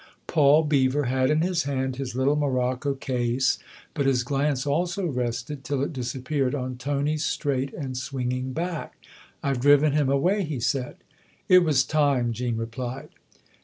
Paul Beever had in his hand his little morocco case, but his glance also rested, till it disappeared, on Tony's straight and swinging back. " I've driven him away," he said. " It was time," Jean replied.